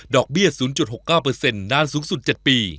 เบี้ย๐๖๙นานสูงสุด๗ปี